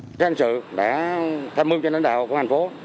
cảnh sát hình sự đã tham mưu cho lãnh đạo công an thành phố